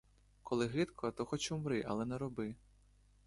Коли гидко, то хоч умри, але не роби!